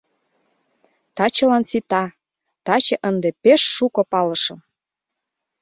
Тачылан сита, таче ынде пеш шуко палышым.